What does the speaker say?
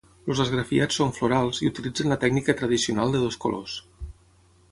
Els esgrafiats són florals i utilitzen la tècnica tradicional de dos colors.